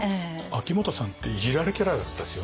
秋元さんっていじられキャラだったんですよね。